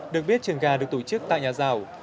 được biết trường gà được tổ chức tại nhà giàu